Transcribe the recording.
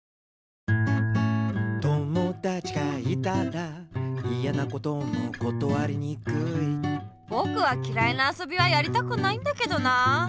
「友だちがいたらいやなこともことわりにくい」ぼくはきらいなあそびはやりたくないんだけどなあ。